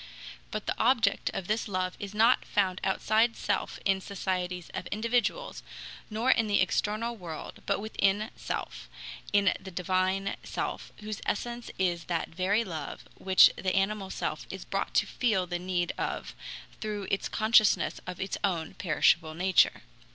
But the object of this love is not found outside self in societies of individuals, nor in the external world, but within self, in the divine self whose essence is that very love, which the animal self is brought to feel the need of through its consciousness of its own perishable nature.